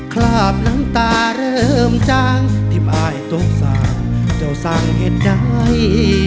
คลาบน้ำตาเริ่มจางทิ้งอ้ายตกสาเจ้าสั่งเหตุใด